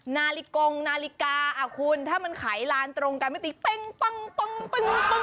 นาฬิกางนาฬิกาคุณถ้ามันขายลานตรงกันไม่ตีเป้ง